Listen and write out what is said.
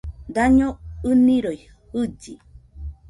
Daño ɨnɨroi jɨlli